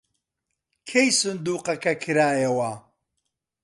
کەی سندووقەکە کرایەوە؟